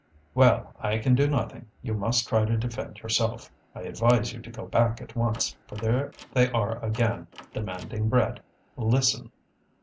"Well, I can do nothing; you must try to defend yourself. I advise you to go back at once, for there they are again demanding bread. Listen!"